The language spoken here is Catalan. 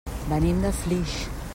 Venim de Flix.